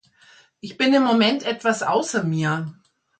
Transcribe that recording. Ich bin im Moment etwas außer mir.